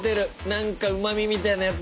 何かうまみみたいなやつ？